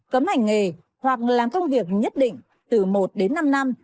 cấm hành nghề hoặc làm công việc nhất định từ một đến năm năm